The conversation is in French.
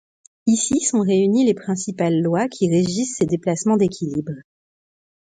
Ici sont réunies les principales lois qui régissent ces déplacements d'équilibres.